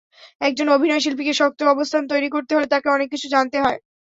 একজন অভিনয়শিল্পীকে শক্ত অবস্থান তৈরি করতে হলে তাঁকে অনেক কিছু জানতে হয়।